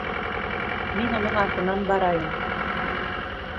Мин уның артынан барайым.